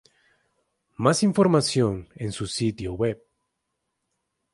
Más información en su sitio web.